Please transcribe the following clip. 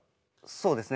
そうですね。